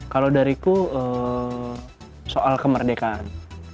kalau dariku soal kemerdekaan